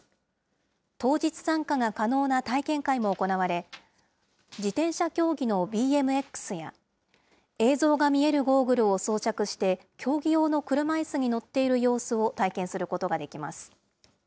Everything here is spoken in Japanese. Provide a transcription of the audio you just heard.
当日参加が可能な体験会も行われ、自転車競技のＢＭＸや、映像が見えるゴーグルを装着して競技用の車いすに乗っている様子を体験することができます。